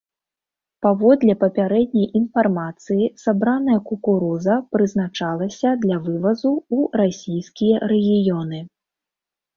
Паводле папярэдняй інфармацыі, сабраная кукуруза прызначалася для вывазу ў расійскія рэгіёны.